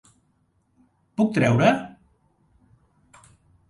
Puc treure...?